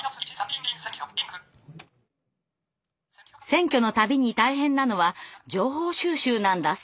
選挙の度に大変なのは情報収集なんだそう。